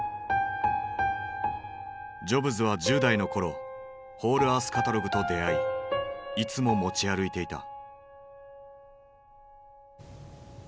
ジョブズは１０代の頃「ホールアースカタログ」と出会いいつも持ち歩いていた。